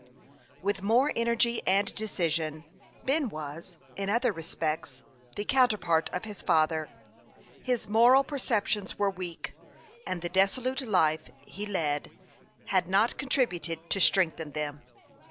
With more energy and decision, Ben was, in other respects, the counterpart of his father. His moral 280 HASTE AXD WASTE, OR perceptions were weak, and the dissolute life he led had not contributed to strengthen them.